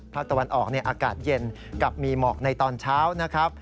ภาคตะวันออกอากาศเย็นกับมีหมอกในตอนเช้านะครับ